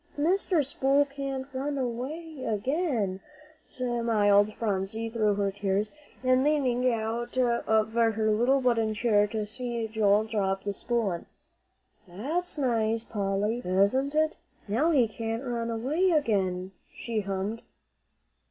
"Mr. Spool can't run away again," smiled Phronsie through her tears, and leaning out of her little wooden chair to see Joel drop the spool in. "That's nice, Polly, isn't it? Now he can't run away again," she hummed.